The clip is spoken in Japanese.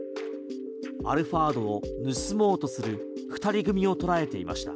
アルファードを盗もうとする２人組を捉えていました。